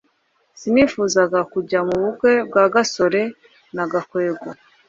sinifuzaga kujya mu bukwe bwa gasore na gakwego